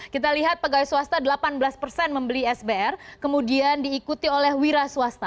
kita lihat pegawai swasta delapan belas persen membeli sbr kemudian diikuti oleh wira swasta